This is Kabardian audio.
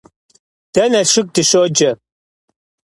Дэ Налшык дыщоджэ.